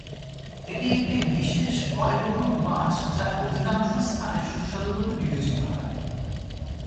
এটি একটি বেশ ব্যয়বহুল মাছ যা অধিকাংশ স্থানে সুস্বাদু বলে বিবেচিত হয়।